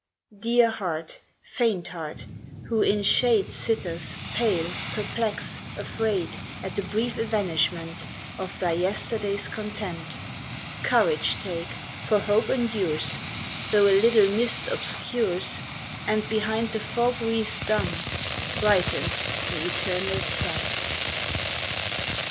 Dear heart, faint heart, who in shade Sitteth, pale, perplexed, afraid, At the brief evanishment Of thy yesterday's content, Courage take ; for hope endures, Though a little mist obscures, And behind the fog wreaths dun Brightens the eternal sun.